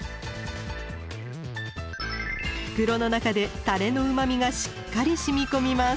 袋の中でタレのうまみがしっかり染み込みます。